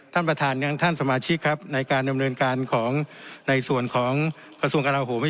ท่านประธานยังท่านสมาชิกครับในการดำเนินการของในส่วนของกระทรวงกราโหม